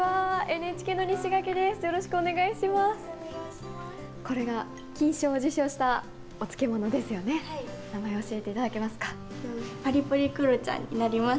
ＮＨＫの西垣です。